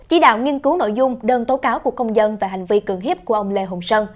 chỉ đạo nghiên cứu nội dung đơn tố cáo của công dân về hành vi cưỡng hiếp của ông lê hồng sơn